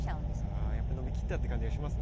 あやっぱ伸びきったって感じがしますね。